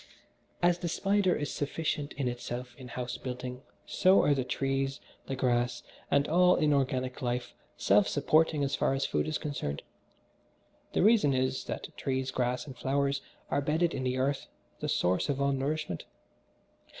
As the spider is sufficient in itself in house building, so are the trees, the grass and all inorganic life self supporting so far as food is concerned. The reason is, that trees, grass and flowers are bedded in the earth, the source of all nourishment.